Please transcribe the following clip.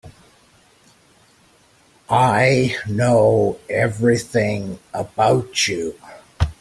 I know everything about you.